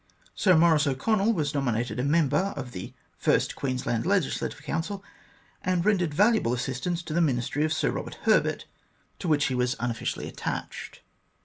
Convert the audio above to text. Sir Maurice O'Connell was nominated a Member of the first Queensland Legislative Council, and rendered valuable assistance to the Ministry of Sir Eobert Herbert, to which he was unofficially attached.